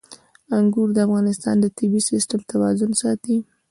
انګور د افغانستان د طبعي سیسټم توازن ساتي.